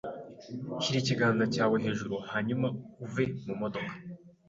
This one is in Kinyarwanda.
Shyira ikiganza cyawe hejuru hanyuma uve mu modoka.